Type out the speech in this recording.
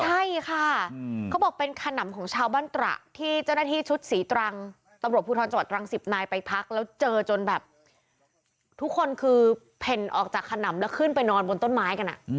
ใช่ค่ะเขาบอกเป็นขนำของชาวบ้านตระที่เจ้าหน้าที่ชุดศรีตรังตำรวจภูทรจังหวัดตรังสิบนายไปพักแล้วเจอจนแบบทุกคนคือเพ่นออกจากขนำแล้วขึ้นไปนอนบนต้นไม้กัน